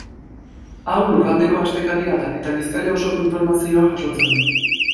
Hau, lurraldeko astekaria da eta Bizkaia osoko informazioa jasotzen du.